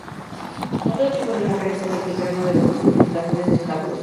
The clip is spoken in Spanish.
Otro tipo de hacker es aquel que crea novedosas modificaciones de hardware.